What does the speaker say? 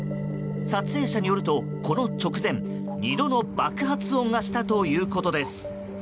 撮影者によるとこの直前、２度の爆発音がしたということです。